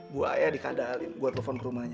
gua ayah dikadalin gua telepon ke rumahnya